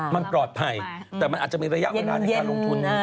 มันปลอดภัยแต่มันอาจจะมีระยะเวลาในการลงทุน